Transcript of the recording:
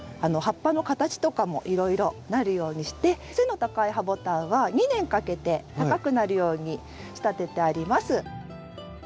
葉っぱの形とかもいろいろなるようにして背の高いハボタンは２年かけて高くなるように仕立ててあります。